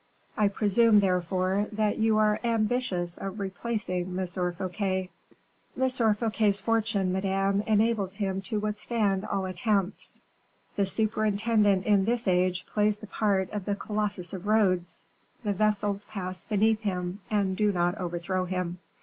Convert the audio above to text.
I presume, therefore, that you are ambitious of replacing M. Fouquet." "M. Fouquet's fortune, madame, enables him to withstand all attempts. The superintendent in this age plays the part of the Colossus of Rhodes; the vessels pass beneath him and do not overthrow him."